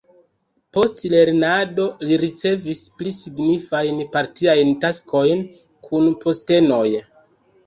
Post lernado li ricevis pli signifajn partiajn taskojn kun postenoj.